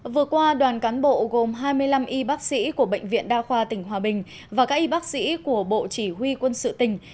vừa qua đoàn cán bộ gồm hai mươi năm y bác sĩ của bệnh viện đa khoa tỉnh hòa bình và các y bác sĩ của bộ chỉ huy quân sự tỉnh